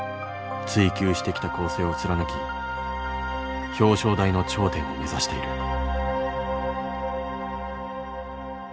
追求してきた構成を貫き表彰台の頂点を目指している。